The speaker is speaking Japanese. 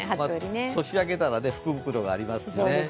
年が明けたら福袋がありますからね。